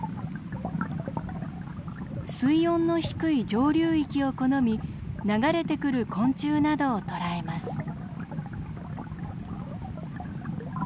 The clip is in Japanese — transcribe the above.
水温の低い上流域を好み流れてくる昆虫などを捕らえます。